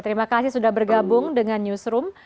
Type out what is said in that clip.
terima kasih sudah bergabung dengan newsroom